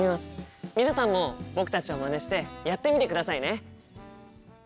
皆さんも僕たちをまねしてやってみてくださいね。